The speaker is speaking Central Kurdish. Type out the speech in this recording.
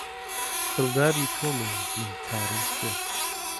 دڵداری تۆمە و من چارەم چیە؟